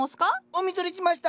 お見それしました！